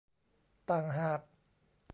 ต่างหาก